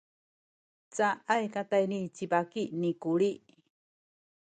caay katayni ci baki ni Kuli.